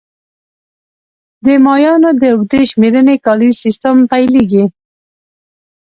د مایانو د اوږدې شمېرنې کالیز سیستم پیلېږي